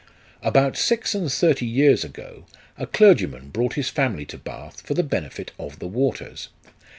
About six and thirty years ago, a clergyman brought his family to Bath for the benefit of the waters.